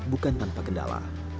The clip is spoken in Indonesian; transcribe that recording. bukan tanpa kendala